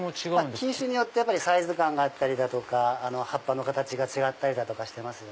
品種によってサイズ感があったり葉っぱの形が違ったりしてます。